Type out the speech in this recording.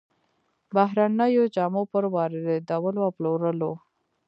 بهرنيو جامو پر واردولو او پلورلو